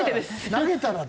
投げたらね。